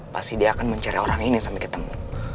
pasti dia akan mencari orang ini sampai ketemu